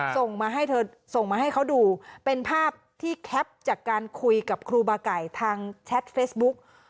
ส่งมาให้เธอส่งมาให้เขาดูเป็นภาพที่แคปจากการคุยกับครูบาไก่ทางแชทเฟซบุ๊ก